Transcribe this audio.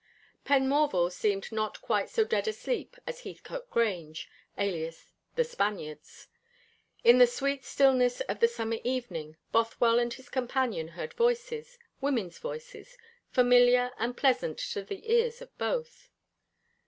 Penmorval seemed not quite so dead asleep as Heathcote Grange, alias The Spaniards. In the sweet stillness of the summer evening, Bothwell and his companion heard voices women's voices familiar and pleasant to the ears of both.